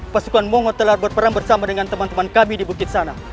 pasukan mongo telah berperang bersama dengan teman teman kami di bukit sana